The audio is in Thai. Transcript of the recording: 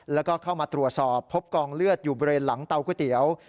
แล้วก็เข้ามาตรวจสอบพบกองเลือดอยู่บริเวณหลังเตาก๋วยเตี๋ยว